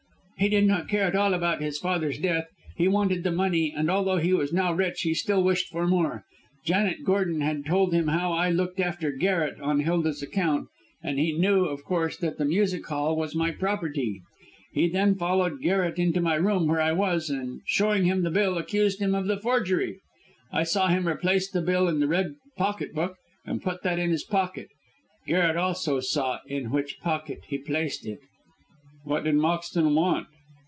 He did not care at all about his father's death. He wanted the money; and although he was now rich he still wished for more. Janet Gordon had told him how I looked after Garret on Hilda's account, and he knew, of course, that the music hall was my property. He then followed Garret into my room where I was, and, showing him the bill, accused him of the forgery. I saw him replace the bill in the red pocket book and put that in his pocket. Garret also saw in which pocket he placed it." "What did Moxton want?"